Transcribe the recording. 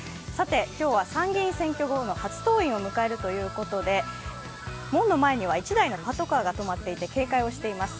今日は参議院選挙後の初登院を迎えるということで門の前には１台のパトカーが止まっていて警戒をしています。